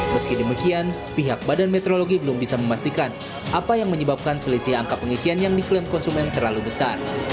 meski demikian pihak badan meteorologi belum bisa memastikan apa yang menyebabkan selisih angka pengisian yang diklaim konsumen terlalu besar